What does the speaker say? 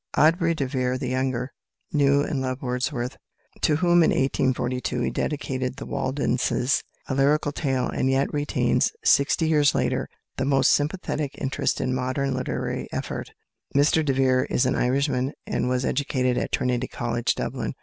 Aubrey de Vere, the younger, knew and loved Wordsworth, to whom in 1842 he dedicated "The Waldenses: A Lyrical Tale," and yet retains, sixty years later, the most sympathetic interest in modern literary effort. Mr de Vere is an Irishman, and was educated at Trinity College, Dublin.